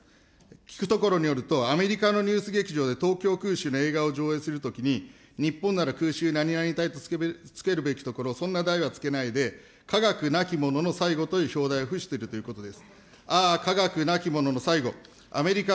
聞くところによると、アメリカのニュース劇場で東京空襲の映画を上映するときに、日本なら空襲なになにたいとつけるところをそんな題は付けないで、科学なき者の最後という表題を付しているということです。